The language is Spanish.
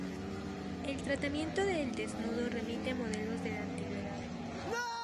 El tratamiento del desnudo remite a modelos de la Antigüedad.